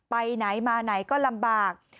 ไปไหนมาไหนก็ลำบาก